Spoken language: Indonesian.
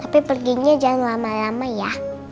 tapi perginya jangan lama lama ya